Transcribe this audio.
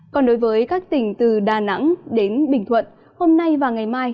còn đối với các tỉnh từ đà nẵng đến bình thuận hôm nay và ngày mai